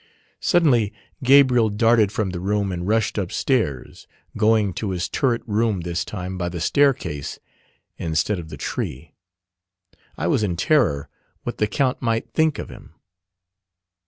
Suddenly Gabriel darted from the room and rushed upstairs, going to his turret room this time by the staircase instead of the tree. I was in terror what the Count might think of him.